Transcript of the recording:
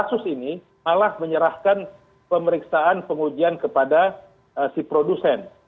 kasus ini malah menyerahkan pemeriksaan pengujian kepada si produsen